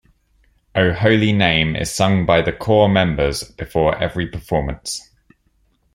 "O Holy Name" is sung by the corps members before every performance.